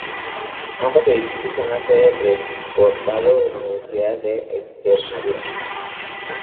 Ambos edificios son la sede del Rectorado de la Universidad de Extremadura.